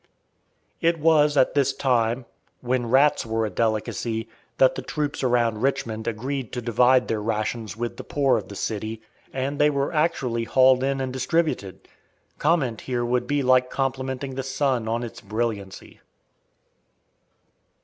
It was at this time, when rats were a delicacy, that the troops around Richmond agreed to divide their rations with the poor of the city, and they were actually hauled in and distributed. Comment here would be like complimenting the sun on its brilliancy.